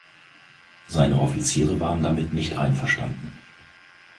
Seine Offiziere waren damit nicht einverstanden.